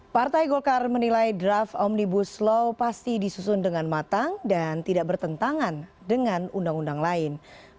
partai golkar menilai draft omnibus law pasti disusun dengan matang dan tidak bertentangan dengan undang undang lain